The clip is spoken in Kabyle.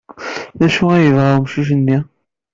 D acu ay yebɣa wemcic-nni?